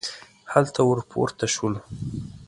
هلته ور پورته شولو.